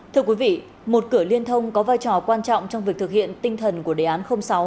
thưa quý vị một cửa liên thông có vai trò quan trọng trong việc thực hiện tinh thần của đề án sáu